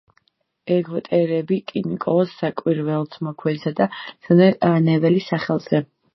ეგვტერები კი ნიკოლოზ საკვირველთმოქმედისა და ალექსანდრე ნეველის სახელზე.